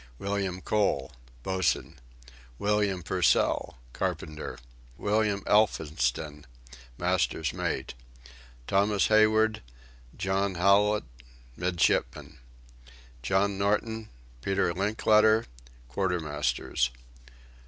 William Cole: Boatswain. William Purcell: Carpenter. William Elphinston: Master's Mate. Thomas Hayward, John Hallet: Midshipman. John Norton, Peter Linkletter: Quarter Masters.